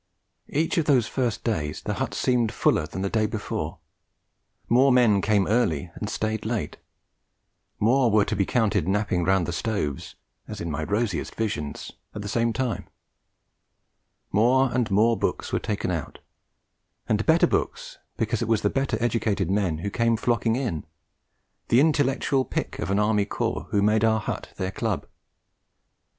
Each of those first days the hut seemed fuller than the day before; more men came early and stayed late; more were to be counted napping round the stoves (as in my rosiest visions) at the same time; more and more books were taken out; and better books, because it was the better educated men who came flocking in, the intellectual pick of an Army Corps who made our hut their club.